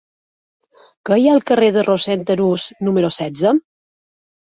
Què hi ha al carrer de Rossend Arús número setze?